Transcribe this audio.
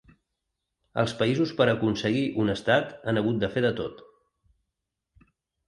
Els països per a aconseguir un estat han hagut de fer de tot.